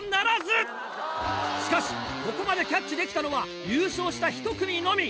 しかしここまでキャッチできたのは優勝した１組のみ！